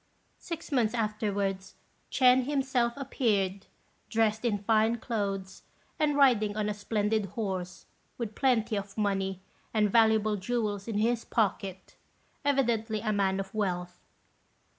Six months afterwards Ch'ên himself appeared, dressed in fine clothes, and riding on a splendid horse, with plenty of money, and valuable jewels in his pocket evidently a man of wealth.